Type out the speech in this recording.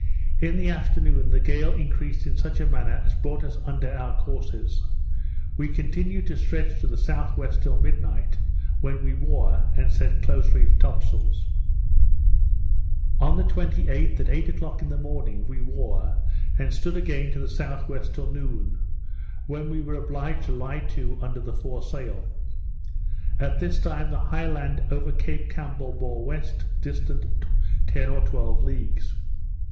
In the afternoon, the gale increased in such a manner as brought us under our courses. We continued to stretch to the S.W. till midnight, when we wore, and set close reefed top sails. On the 28th, at eight o'clock in the morning, we wore, and stood again to the S.W. till noon, when we were obliged to lie to under the fore sail. At this time the high land over Cape Campbell bore west, distant ten or twelve leagues.